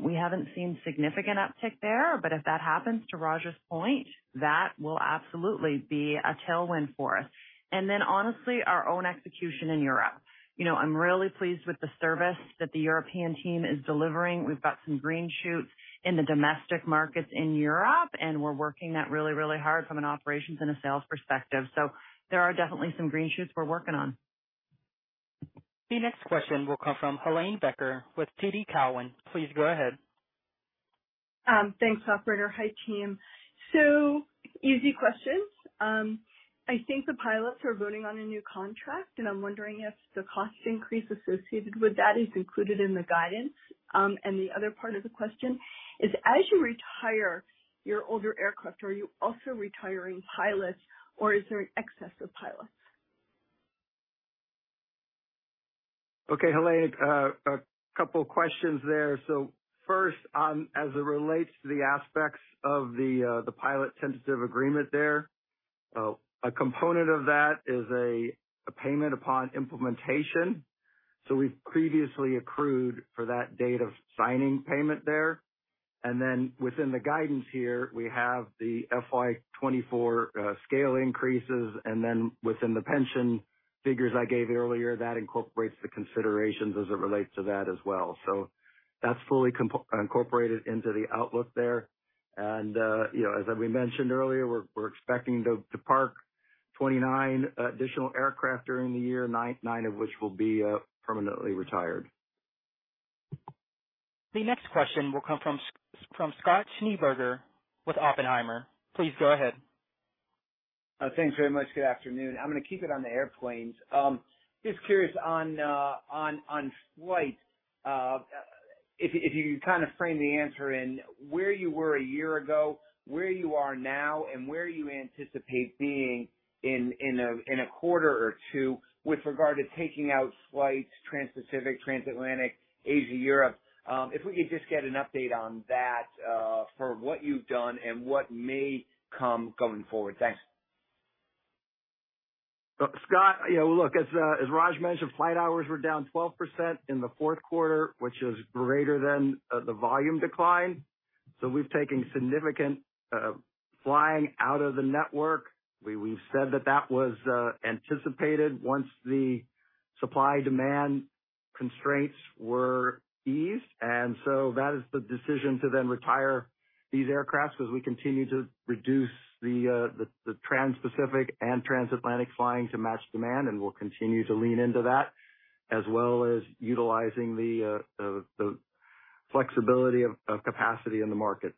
We haven't seen significant uptick there, but if that happens, to Raj's point, that will absolutely be a tailwind for us. Then honestly, our own execution in Europe. You know, I'm really pleased with the service that the European team is delivering. We've got some green shoots in the domestic markets in Europe, and we're working that really, really hard from an operations and a sales perspective. There are definitely some green shoots we're working on. The next question will come from Helane Becker with TD Cowen. Please go ahead. Thanks, operator. Hi, team. Easy questions. I think the pilots are voting on a new contract, and I'm wondering if the cost increase associated with that is included in the guidance. The other part of the question is, as you retire your older aircraft, are you also retiring pilots, or is there an excess of pilots? Okay, Helane, a couple of questions there. First, as it relates to the aspects of the pilot tentative agreement there, a component of that is a payment upon implementation. We've previously accrued for that date of signing payment there. Within the guidance here, we have the FY 2024 scale increases, and then within the pension figures I gave earlier, that incorporates the considerations as it relates to that as well. That's fully incorporated into the outlook there. You know, as we mentioned earlier, we're expecting to park 29 additional aircraft during the year, 9 of which will be permanently retired. The next question will come from Scott Schneeberger with Oppenheimer. Please go ahead. Thanks very much. Good afternoon. I'm gonna keep it on the airplanes. Just curious on flight, if you can kind of frame the answer in where you were a year ago, where you are now, and where you anticipate being in a quarter or two with regard to taking out flights, Trans-Pacific, Trans-Atlantic, Asia, Europe. If we could just get an update on that, for what you've done and what may come going forward. Thanks. Scott, you know, look, as Raj mentioned, flight hours were down 12% in the fourth quarter, which is greater than the volume decline. We've taken significant flying out of the network. We've said that that was anticipated once the supply-demand constraints were eased, that is the decision to then retire these aircraft as we continue to reduce the Trans-Pacific and Trans-Atlantic flying to match demand. We'll continue to lean into that, as well as utilizing the flexibility of capacity in the market.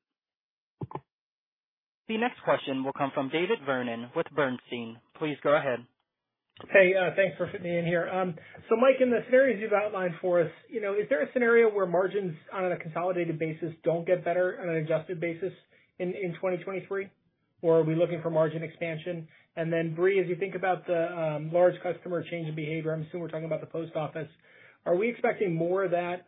The next question will come from David Vernon with Bernstein. Please go ahead. Hey, thanks for fitting me in here. Mike, in the scenarios you've outlined for us, you know, is there a scenario where margins on a consolidated basis don't get better on an adjusted basis in 2023, or are we looking for margin expansion? Brie, as you think about the large customer change in behavior, I'm assuming we're talking about the Post Office, are we expecting more of that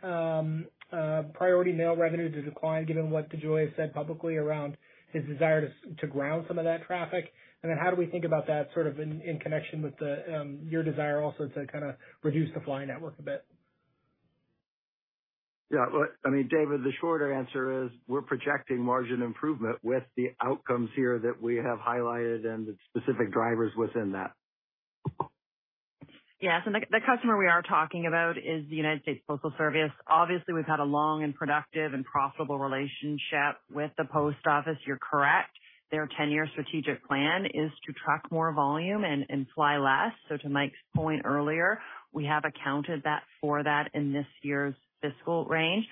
priority mail revenue to decline given what DeJoy has said publicly around his desire to ground some of that traffic? How do we think about that sort of in connection with the your desire also to kind of reduce the flying network a bit? Look, I mean, David, the shorter answer is we're projecting margin improvement with the outcomes here that we have highlighted and the specific drivers within that. Yes, the customer we are talking about is the United States Postal Service. Obviously, we've had a long and productive and profitable relationship with the Post Office. You're correct. Their 10-year strategic plan is to truck more volume and fly less. To Mike's point earlier, we have accounted for that in this year's fiscal range.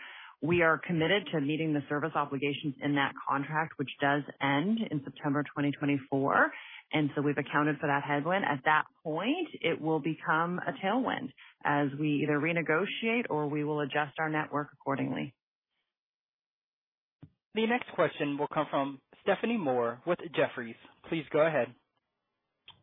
We are committed to meeting the service obligations in that contract, which does end in September 2024, and so we've accounted for that headwind. At that point, it will become a tailwind as we either renegotiate or we will adjust our network accordingly. The next question will come from Stephanie Moore with Jefferies. Please go ahead.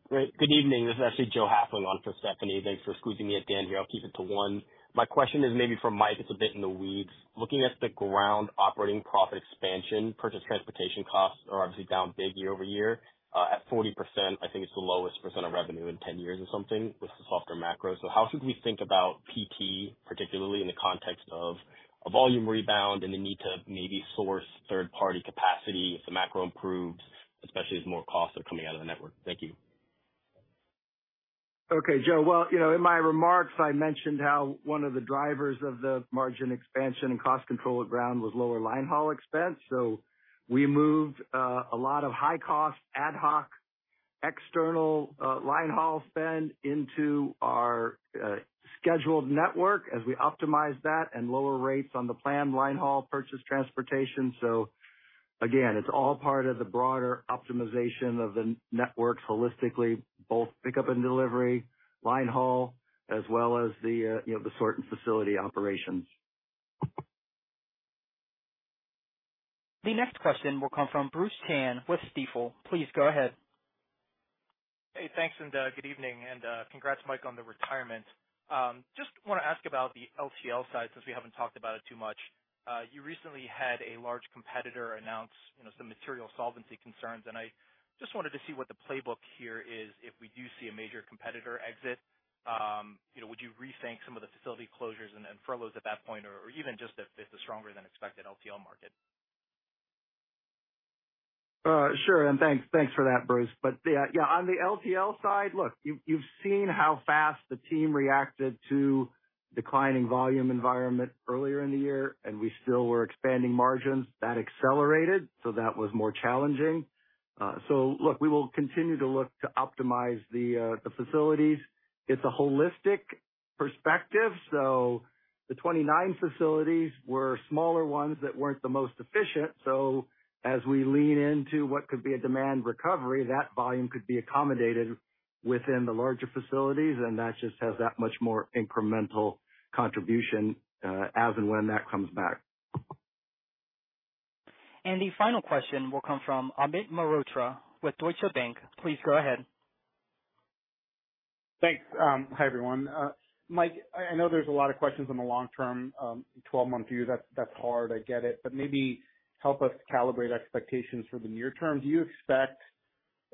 Great. Good evening. This is actually Joe Hafling on for Stephanie. Thanks for squeezing me at the end here. I'll keep it to one. My question is maybe for Mike, it's a bit in the weeds. Looking at the ground operating profit expansion, purchase transportation costs are obviously down big year-over-year at 40%. I think it's the lowest % of revenue in 10 years or something with the softer macro. How should we think about PT, particularly in the context of a volume rebound and the need to maybe source third-party capacity if the macro improves, especially as more costs are coming out of the network? Thank you. Okay, Joe. Well, you know, in my remarks, I mentioned how one of the drivers of the margin expansion and cost control at FedEx Ground was lower line haul expense. We moved a lot of high-cost, ad hoc, external line haul spend into our scheduled network as we optimize that and lower rates on the planned line haul purchase transportation. Again, it's all part of the broader optimization of the networks holistically, both pickup and delivery, line haul, as well as, you know, the sort and facility operations. The next question will come from Bruce Chan with Stifel. Please go ahead. Hey, thanks, and good evening, and congrats, Mike, on the retirement. Just want to ask about the LTL side, since we haven't talked about it too much. You recently had a large competitor announce, you know, some material solvency concerns, and I just wanted to see what the playbook here is if we do see a major competitor exit. You know, would you rethink some of the facility closures and furloughs at that point, or even just if it's a stronger than expected LTL market? Sure, and thanks. Thanks for that, Bruce. Yeah, yeah, on the LTL side, look, you've seen how fast the team reacted to declining volume environment earlier in the year, and we still were expanding margins. That accelerated, so that was more challenging. Look, we will continue to look to optimize the facilities. It's a holistic perspective, so the 29 facilities were smaller ones that weren't the most efficient. As we lean into what could be a demand recovery, that volume could be accommodated within the larger facilities, and that just has that much more incremental contribution, as and when that comes back. The final question will come from Amit Mehrotra with Deutsche Bank. Please go ahead. Thanks. Hi, everyone. Mike, I know there's a lot of questions on the long term. 12-month view, that's hard, I get it, but maybe help us calibrate expectations for the near term. Do you expect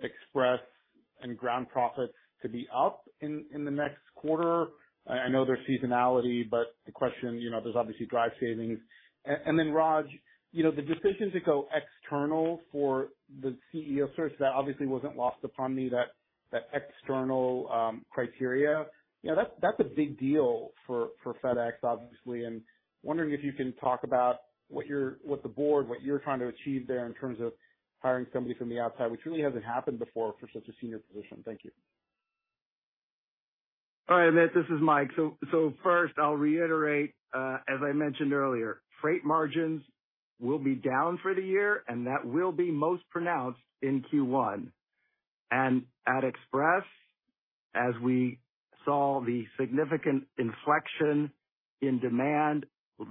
Express and Ground profits to be up in the next quarter? I know there's seasonality, but the question, you know, there's obviously DRIVE savings. Then, Raj, you know, the decision to go external for the CEO search, that obviously wasn't lost upon me, that external criteria. You know, that's a big deal for FedEx, obviously, and wondering if you can talk about what you're what the board, what you're trying to achieve there in terms of hiring somebody from the outside, which really hasn't happened before for such a senior position. Thank you. All right, Amit, this is Mike. First I'll reiterate, as I mentioned earlier, freight margins will be down for the year, and that will be most pronounced in Q1. At Express, as we saw the significant inflection in demand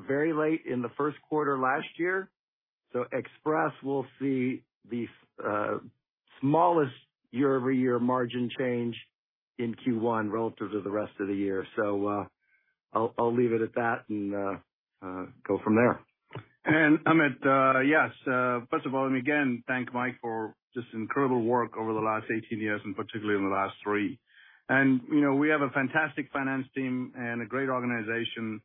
very late in the first quarter last year. Express will see the smallest year-over-year margin change in Q1 relative to the rest of the year. I'll leave it at that and go from there. Amit, yes. First of all, let me again thank Mike for just incredible work over the last 18 years, and particularly in the last 3. You know, we have a fantastic finance team and a great organization.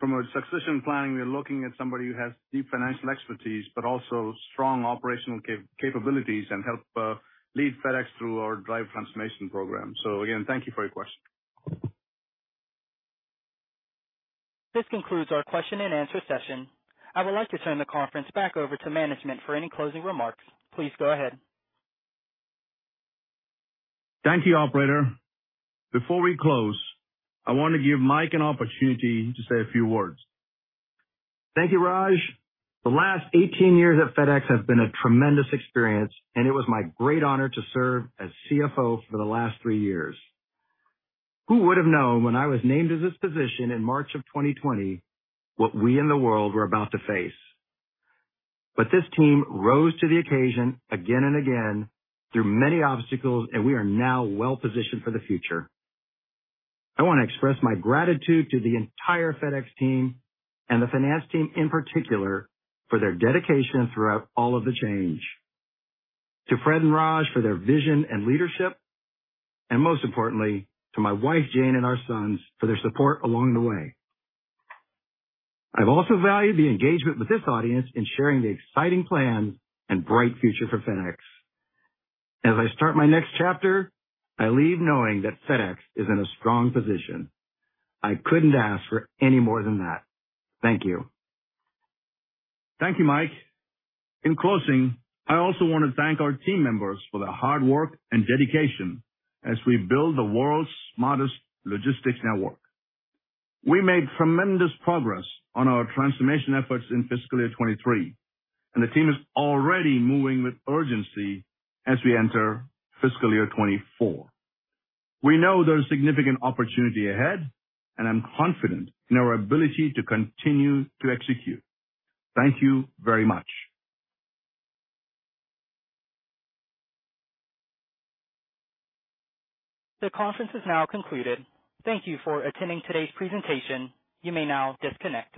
From a succession planning, we're looking at somebody who has deep financial expertise, but also strong operational capabilities and help lead FedEx through our DRIVE transformation program. Again, thank you for your question. This concludes our question and answer session. I would like to turn the conference back over to management for any closing remarks. Please go ahead. Thank you, Operator. Before we close, I want to give Mike an opportunity to say a few words. Thank you, Raj. The last 18 years at FedEx have been a tremendous experience, and it was my great honor to serve as CFO for the last three years. Who would have known when I was named to this position in March of 2020, what we in the world were about to face? This team rose to the occasion again and again through many obstacles, and we are now well positioned for the future. I want to express my gratitude to the entire FedEx team and the finance team in particular, for their dedication throughout all of the change. To Fred and Raj, for their vision and leadership, and most importantly, to my wife, Jane, and our sons, for their support along the way. I've also valued the engagement with this audience in sharing the exciting plan and bright future for FedEx. As I start my next chapter, I leave knowing that FedEx is in a strong position. I couldn't ask for any more than that. Thank you. Thank you, Mike. In closing, I also want to thank our team members for their hard work and dedication as we build the world's smartest logistics network. We made tremendous progress on our transformation efforts in FY 2023, and the team is already moving with urgency as we enter FY 2024. We know there's significant opportunity ahead, and I'm confident in our ability to continue to execute. Thank you very much. The conference is now concluded. Thank you for attending today's presentation. You may now disconnect.